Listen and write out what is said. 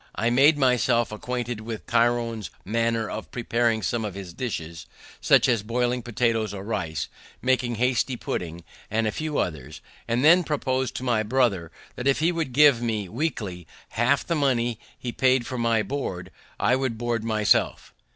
I made myself acquainted with Tryon's manner of preparing some of his dishes, such as boiling potatoes or rice, making hasty pudding, and a few others, and then proposed to my brother, that if he would give me, weekly, half the money he paid for my board, I would board myself.